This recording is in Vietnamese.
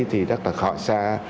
thì rất là khó xa